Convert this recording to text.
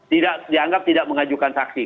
tidak dianggap tidak mengajukan saksi